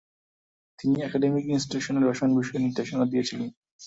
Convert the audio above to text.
তিনি একাডেমিক ইনস্টিটিউশনে রসায়ন বিষয়ে নির্দেশনা দিয়েছিলেন।